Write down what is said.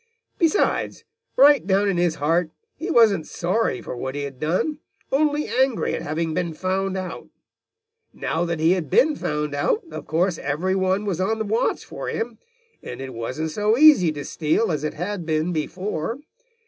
Besides, right down in his heart, he wasn't sorry for what he had done, only angry at having been found out. Now that he had been found out, of course every one was on the watch for him, and it wasn't so easy to steal as it had been before.